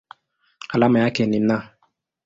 Alama yake ni Na.